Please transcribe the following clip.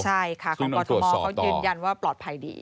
ใช่ค่ะของกรทมเขายืนยันว่าปลอดภัยดี